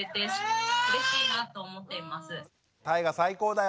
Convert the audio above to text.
たいが最高だよ。